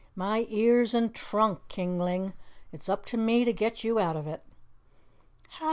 My ears and trunk, Kingling, it's up to me to get you out of it." "How?"